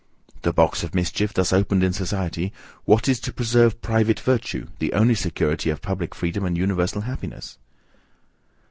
The box of mischief thus opened in society, what is to preserve private virtue, the only security of public freedom and universal happiness?